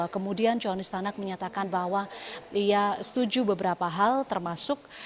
kemudian johns tanak menyatakan bahwa ia setuju beberapa hal termasuk